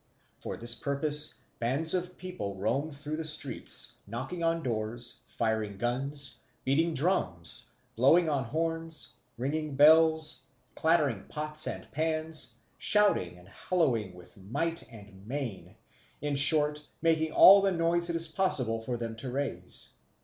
For this purpose bands of people roam through the streets knocking on doors, firing guns, beating drums, blowing on horns, ringing bells, clattering pots and pans, shouting and hallooing with might and main, in short making all the noise it is possible for them to raise.